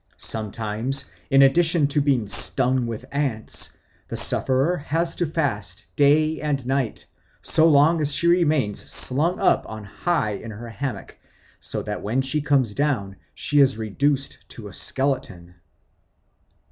Sometimes, in addition to being stung with ants, the sufferer has to fast day and night so long as she remains slung up on high in her hammock, so that when she comes down she is reduced to a skeleton.